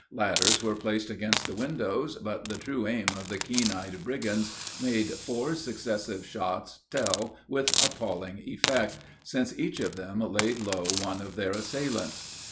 Ladders were placed against the windows, but the true aim of the keen eyed brigands made four successive shots tell with appalling effect, since each of them laid low one of their assailants.